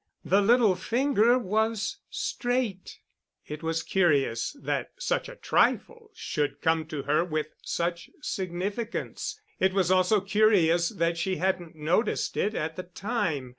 The little finger was straight! It was curious that such a trifle should come to her with such significance. It was also curious that she hadn't noticed it at the time.